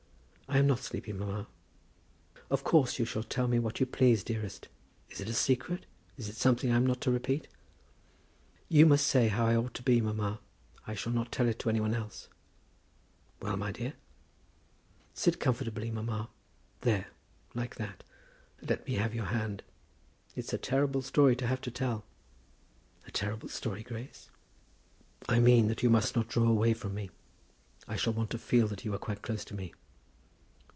"I am not sleepy, mamma." "Of course you shall tell me what you please, dearest. Is it a secret? Is it something I am not to repeat?" "You must say how that ought to be, mamma. I shall not tell it to any one else." "Well, dear?" "Sit comfortably, mamma; there; like that, and let me have your hand. It's a terrible story to have to tell." "A terrible story, Grace?" "I mean that you must not draw away from me. I shall want to feel that you are quite close to me.